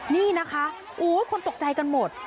นี่นะคะโอ้ยคนตกใจกันหมด